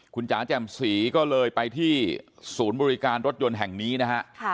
คุณจ๋าแจ่มศรีก็เลยไปที่ศูนย์บริการรถยนต์แห่งนี้นะฮะ